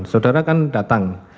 saudara kan datang